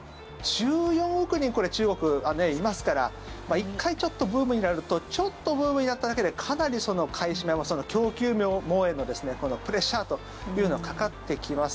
１４億人これ、中国はいますから１回ちょっとブームになるとちょっとブームになっただけでかなり買い占めも、供給網へのプレッシャーというのはかかってきます。